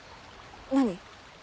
何？